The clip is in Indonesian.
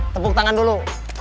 tepuk tangan dulu